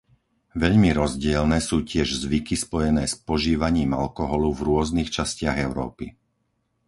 Veľmi rozdielne sú tiež zvyky spojené s požívaním alkoholu v rôznych častiach Európy.